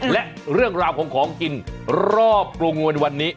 และเรื่องราวของของกินรอบกรุงวันนี้